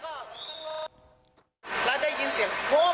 แล้วได้ยินเสียงโค้ง